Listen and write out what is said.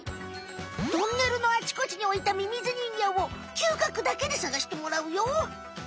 トンネルのあちこちにおいたミミズ人形を嗅覚だけでさがしてもらうよ！